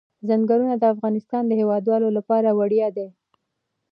ځنګلونه د افغانستان د هیوادوالو لپاره ویاړ دی.